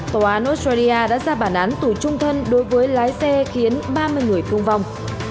tòa án australia đã ra bản án tùy chung thân đối với lái xe khiến ba mươi người tung vòng